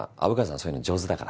そういうの上手だから。